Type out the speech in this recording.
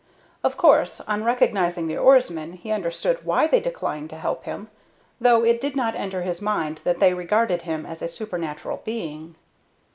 Of course, on recognizing the oarsmen, he understood why they declined to help him, though it did not enter his mind that they regarded him as a supernatural being.